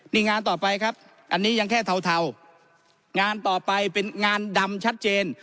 นี่งานต่อไปครับอันนี้ยังแค่เทางานต่อไปเป็นงานดำชัดเจน